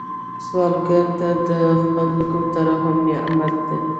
سوالګر ته د خلکو ترحم نعمت دی